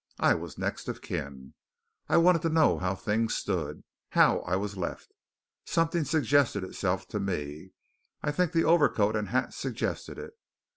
I was next of kin. I wanted to know how things stood how I was left. Something suggested itself to me. I think the overcoat and hat suggested it.